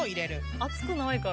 熱くないから。